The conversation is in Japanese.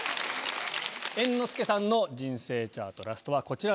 猿之助さんの「人生チャート」ラストはこちらになります。